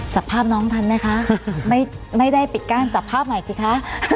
จับภาพน้องทันไหมคะไม่ได้ปิดกั้นจับภาพใหม่สิคะ